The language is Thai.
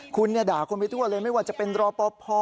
คุณด่าคนไปทั่วเลยไม่ว่าจะเป็นรอปภ